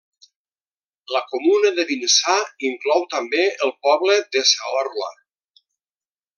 La comuna de Vinçà inclou també el poble de Saorla.